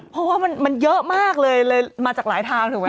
เพราะว่ามันเยอะมากเลยเลยมาจากหลายทางถูกไหม